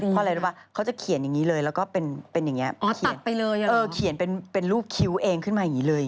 เพราะอะไรรู้ไหมเขาจะเขียนอย่างนี้เลยแล้วก็เป็นแบบนี้